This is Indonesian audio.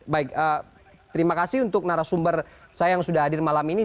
baik terima kasih untuk narasumber saya yang sudah hadir malam ini